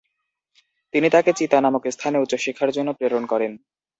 তিনি তাকে চিতা নামক স্থানে উচ্চশিক্ষার জন্য প্রেরণ করেন।